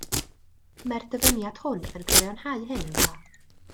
Mae'r dyfyniad hwn yn cyfiawnhau hyn yn dda.